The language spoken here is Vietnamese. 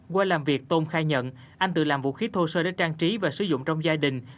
qua làm việc tôn khai nhận anh tự làm vũ khí thô sơ để trang trí và sử dụng trong gia đình